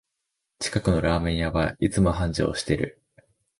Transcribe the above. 近くのラーメン屋はいつも繁盛してる